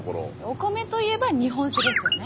お米といえば日本酒ですよね。